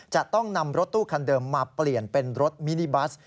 จะต้องนำรถตู้คันเดิมมาเปลี่ยนเป็นรถมินิบัส